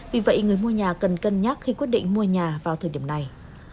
vì vậy người mua nhà cần cân nhắc khi quyết định mua nhà vào thời điểm này